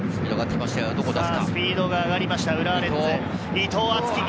スピードが上がりました、浦和レッズ。